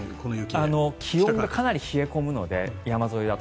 気温がかなり冷え込むので山沿いだと。